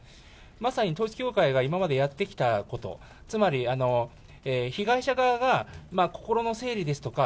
まさに統一教会が今までやってきたこと、つまり、被害者側が心の整理ですとか、